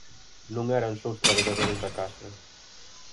Non eran só os traballadores da casa.